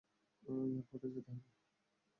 এয়ারপোর্টে যেতে হবে।